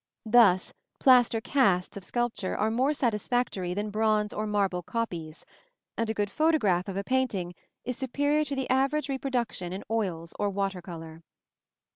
Thus, plaster casts of sculpture are more satisfactory than bronze or marble copies; and a good photograph of a painting is superior to the average reproduction in oils or water color.